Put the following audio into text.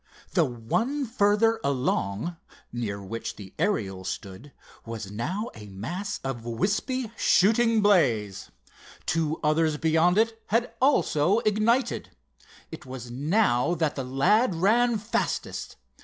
The one further along, near which the Ariel stood, was now a mass of wispy, shooting blaze. Two others beyond it had also ignited. It was now that the lad ran fastest.